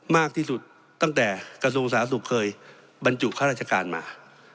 มากที่สุดตั้งแต่กระทรวงสาธารณสุขเคยบรรจุข้าราชการมา